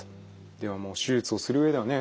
ではもう手術をする上ではね